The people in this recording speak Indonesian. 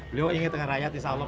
beliau ingat sama rakyat insya allah